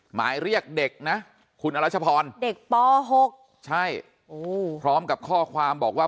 หมายเรียกเด็กนะคุณอรัชพรเด็กป๖ใช่พร้อมกับข้อความบอกว่า